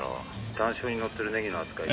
タン塩にのってるネギの扱い」